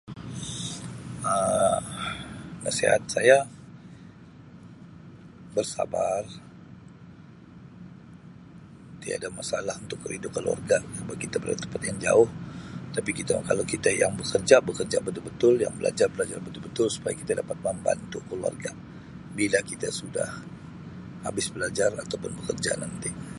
Um Nasihat saya bersabar tiada masalah untuk merindu keluarga [unintelligible] kita di tempat yang jauh tapi kita kalau kita yang bekerja, bekerja betul-betul yang belajar, belajar betu-betul supaya kita dapat membantu keluarga bila kita sudah abis belajar atau pun bekerja nanti.